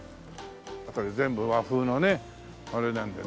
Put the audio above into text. やっぱり全部和風のねあれなんだね。